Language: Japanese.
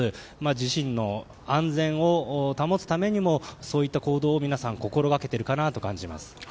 自身の安全を保つためにもそういった行動を皆さん心がけているかなと感じます。